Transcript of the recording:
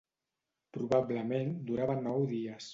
Probablement durava nou dies.